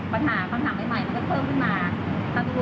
ปัญหาคำถามใหม่มันก็เพิ่มขึ้นมา